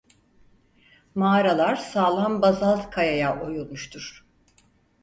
Mağaralar sağlam bazalt kayaya oyulmuştur.